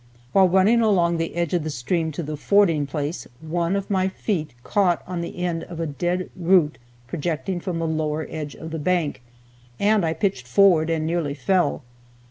While running along the edge of the stream to the fording place, one of my feet caught on the end of a dead root projecting from the lower edge of the bank, and I pitched forward, and nearly fell.